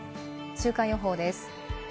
週間予報です。